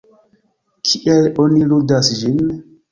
Kiel oni ludas ĝin?